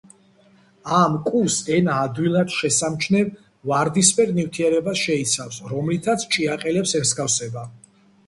ამ კუს ენა ადვილად შესამჩნევ ვარდისფერ ნივთიერებას შეიცავს, რომლითაც ჭიაყელებს ემსგავსება.